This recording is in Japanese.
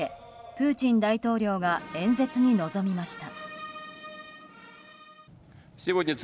プーチン大統領が演説に臨みました。